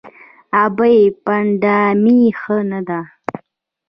– ابۍ! پټېدا مې ښه نه ده.